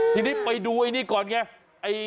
ทีนี้ไปดูไอ้นี่ก่อนไง